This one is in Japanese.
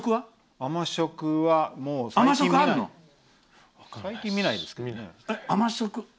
甘食は最近見ないですね。